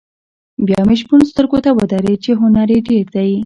بیا مې شپون سترګو ته ودرېد چې هنر یې ډېر دی.